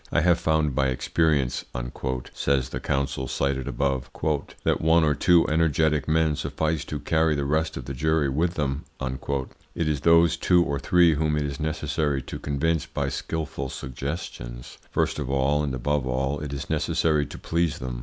"I have found by experience," says the counsel cited above, "that one or two energetic men suffice to carry the rest of the jury with them." It is those two or three whom it is necessary to convince by skilful suggestions. First of all, and above all, it is necessary to please them.